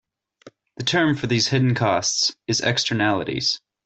The term for these hidden costs is "Externalities".